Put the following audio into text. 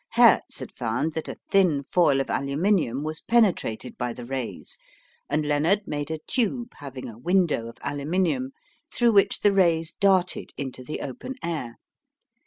Hertz had found that a thin foil of aluminium was penetrated by the rays, and Lenard made a tube having a "window" of aluminium, through which the rays darted into the open air.